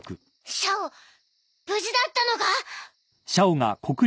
シャオ無事だったのか！